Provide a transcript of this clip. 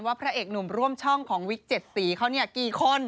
ว่าพระเอกหนุ่มร่วมช่องของวิทย์เจ็ดสี่เขานี่กี่คน